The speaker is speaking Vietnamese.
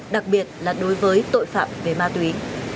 đặc biệt là đối với tội phạm về ma túy